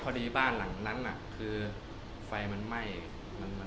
พอดีบ้านหลังนั้นคือไฟมันไหม้มันหายหมดเลย